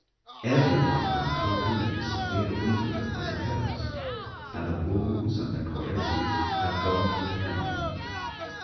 Everyone was talking of the severe winter that was ahead of us, and the wolves and the coyotes had gone to the plains.